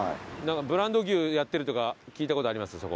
なんかブランド牛やってるとか聞いた事あります？